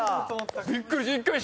びっくりし。